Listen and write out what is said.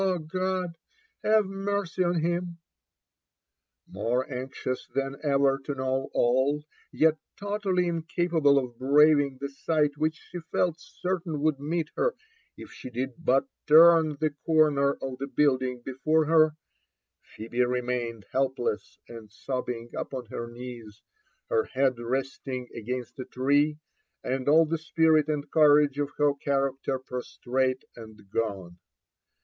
— God, have mercy on hina 1" More anxiqus. th?in ever to know all, yet totally incapable of braving the sight which she felt certain would meet her if she did biit turn the corner of the building before her, Phebe remained helpless and sob bing upon her knees, her head resting against a tree, and all the spirit and courage of her character prostrate and gone.